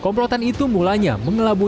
komplotan itu mulanya mengelabui